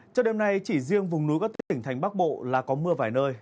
cho đêm nay chỉ riêng vùng núi các tỉnh thành bắc bộ là có mưa vài nơi